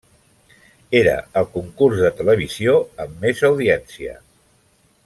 Era el concurs de televisió amb més audiència.